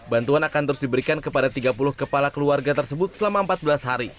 bantuan akan terus diberikan kepada tiga puluh kepala keluarga tersebut selama empat belas hari